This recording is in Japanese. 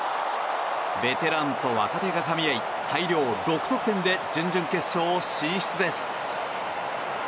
ベテランと若手がかみ合い大量６得点で準々決勝進出です。